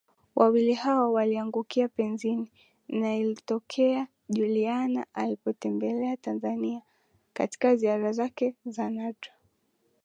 Wawili hao waliangukia penzini na ilitokea Juliana alipotembelea Tanzania katika ziara zake za nadra